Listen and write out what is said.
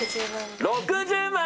６０万。